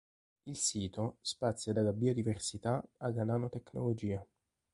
Il sito spazia dalla biodiversità alla nanotecnologia.